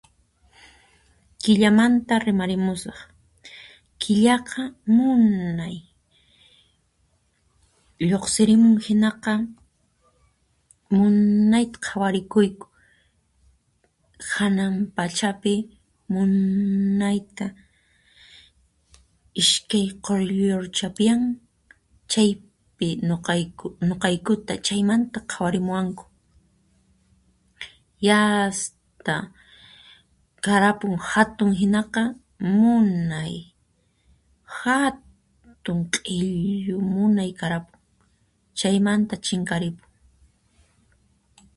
Killamanta rimarimusaq, killaqa munay lluqsirimunhinaqa munayta qhawarikuyku hananpachapi, munayta iskay quyllurchapiwan chaypi nuqayku nuqaykuta chaymanta qhawarimuwanku, yasta karapun hatunhinaqa munay hatun q'illu munay karapun chaymanta chinkaripun.